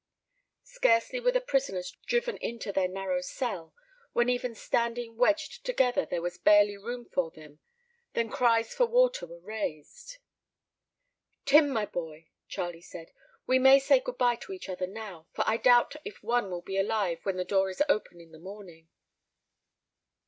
Scarcely were the prisoners driven into their narrow cell, where even standing wedged together there was barely room for them, than cries for water were raised. "Tim, my boy," Charlie said, "we may say good bye to each other now, for I doubt if one will be alive when the door is opened in the morning."